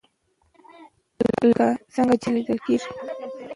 لکه څنګه چې ليدل کېږي